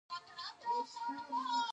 دوی پلونه او تونلونه جوړوي.